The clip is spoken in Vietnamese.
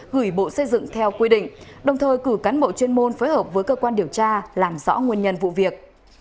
gửi bộ xây dựng theo quy định đồng thời cử cán bộ chuyên môn phối hợp với cơ quan điều tra làm rõ nguồn nhân vụ việc